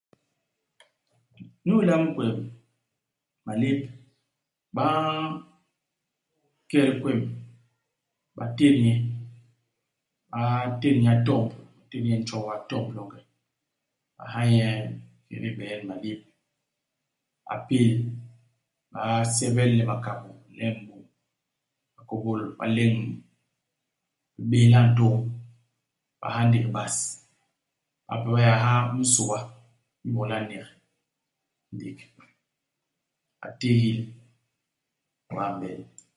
Inyu ilamb kwem-malép, ba nket kwem. Ba tét nye. Ba tét nye a tomb. Ba tét nye i ntjobo a tomb longe. Ba ha nye ikédé hibee ni malép. A pél. Ba sebel, le makabô, le m'boñ ba kôbôl, ba leñ mu. Bi béhla ntôñ. Ba ha ndék bas. Bape ba yé ba ha minsôa inyu iboñ le a nek ndék. A tigil. Wee a m'bel.